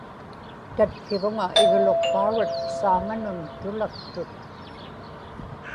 tatkivuŋa Igluqpaurat saaŋanun tulaktut